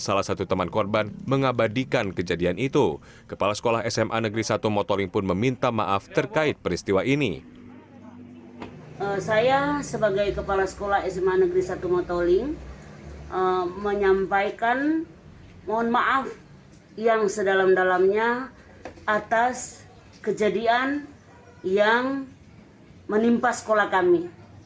saya sebagai kepala sekolah sma negeri satu motoling menyampaikan mohon maaf yang sedalam dalamnya atas kejadian yang menimpa sekolah kami